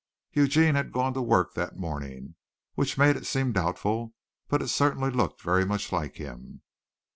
Eugene had gone to work that morning, which made it seem doubtful, but it certainly looked very much like him.